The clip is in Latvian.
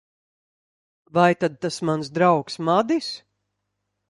Vai tad tas mans draugs, Madis?